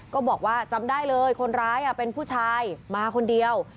บอกว่าจำได้เลยคนร้ายเป็นผู้ชายมาคนเดียว